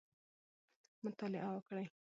مطالعه وکړئ! چي په هغه څه پوه سئ، چي نه پرې پوهېږئ.